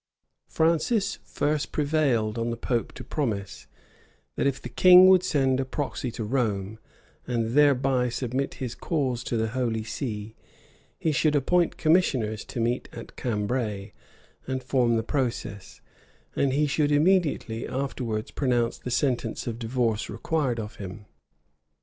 {1534.} Francis first prevailed on the pope to promise, that if the king would send a proxy to Rome, and thereby submit his cause to the holy see, he should appoint commissioners to meet at Cambray, and form the process; and he should immediately afterwards pronounce the sentence of divorce required of him.